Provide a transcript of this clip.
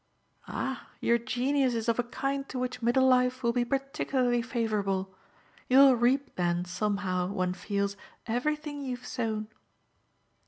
"Ah your genius is of a kind to which middle life will be particularly favourable. You'll reap then somehow, one feels, everything you've sown."